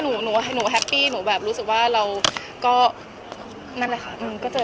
เจอได้หนูแฮปปี้หนูแบบรู้สึกว่าเราก็เจอได้ปกติ